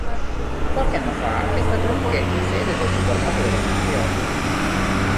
Qualche anno fa è stato anche sede del Supermoto delle Nazioni.